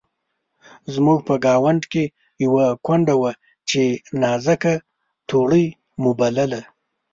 زموږ په ګاونډ کې یوه کونډه وه چې نازکه توړۍ مو بلله.